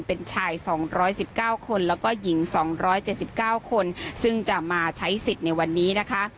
เป็นชาย๒๑๙คนแล้วก็หญิง๒๗๙คนซึ่งจะมาใช้สิทธิ์ในวันนี้นะคะ